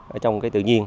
ở trong cái tự nhiên